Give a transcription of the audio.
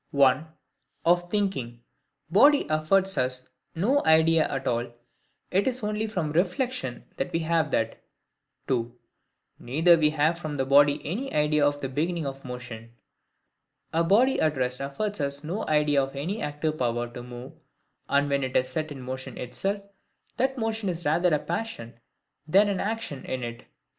(1) Of thinking, body affords us no idea at all; it is only from reflection that we have that. (2) Neither have we from body any idea of the beginning of motion. A body at rest affords us no idea of any active power to move; and when it is set in motion itself, that motion is rather a passion than an action in it.